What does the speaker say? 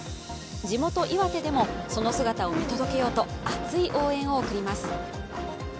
地元・岩手でも、その姿を見届けようと、熱い応援を送ります。